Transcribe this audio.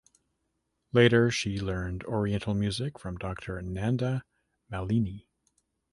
Later she learned oriental music from Doctor Nanda Malini.